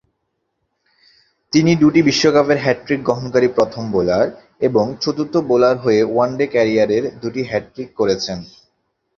তিনি দুটি বিশ্বকাপের হ্যাটট্রিক গ্রহণকারী প্রথম বোলার এবং চতুর্থ বোলার হয়ে ওয়ানডে কেরিয়ারের দুটি হ্যাটট্রিক করেছেন।